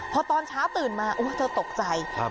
พอตอนช้าตื่นมาโอ้วเธอตกใจครับ